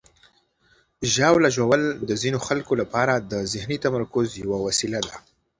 ژاوله ژوول د ځینو خلکو لپاره د ذهني تمرکز یوه وسیله ده.